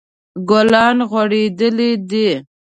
ګلان غوړیدلی دي